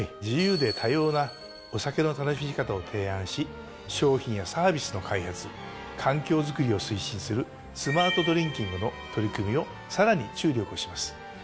自由で多様なお酒の楽しみ方を提案し商品やサービスの開発環境づくりを推進するスマートドリンキングの取り組みをさらに注力をします。